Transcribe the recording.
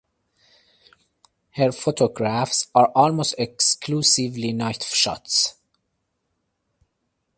Her photographs are almost exclusively night shots.